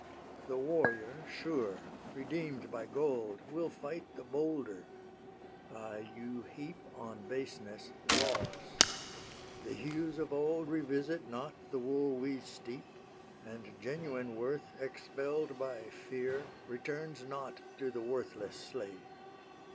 The warrior, sure, redeem'd by gold, Will fight the bolder! Aye, you heap On baseness loss. The hues of old Revisit not the wool we steep; And genuine worth, expell'd by fear, Returns not to the worthless slave.